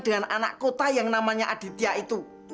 dengan anak kota yang namanya aditya itu